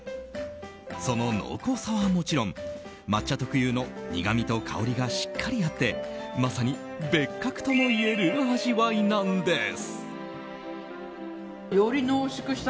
その濃厚さはもちろん抹茶特有の苦みと香りがしっかりあって、まさに別格ともいえる味わいなんです。